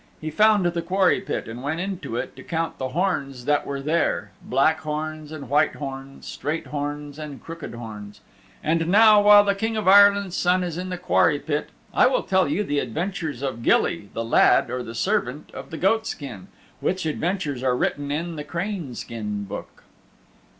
He found the quarry pit and went into it to count the horns that were there black horns and white horns, straight horns and crooked horns. And now, while the King of Ireland's Son is in the quarry pit, I will tell you the adventures of Gilly the Lad or the Servant of the Goatskin, which adventures are written in "The Craneskin Book."